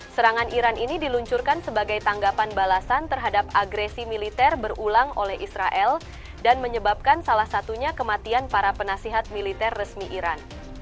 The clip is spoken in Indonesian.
serangan iran ini diluncurkan sebagai tanggapan balasan terhadap agresi militer berulang oleh israel dan menyebabkan salah satunya kematian para penasihat militer resmi iran